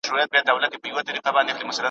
پابندۍ دي لګېدلي د ګودر پر دیدنونو `